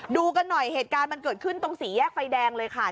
ดูกันหน่อยเหตุการณ์มันเกิดขึ้นตรงสี่แยกไฟแดงเลยค่ะ